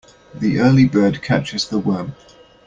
The early bird catches the worm.